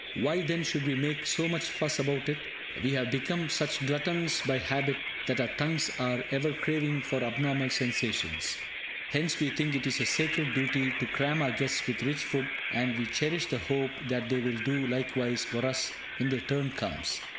Why, then, should we make so much fuss about it? We have become such gluttons by habit that our tongues are ever craving for abnormal sensations. Hence we think it a sacred duty to cram our guests with rich food, and we cherish the hope that they will do likewise for us, when their turn comes!